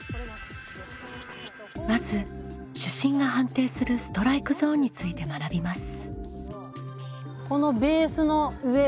まず主審が判定するストライクゾーンについて学びます。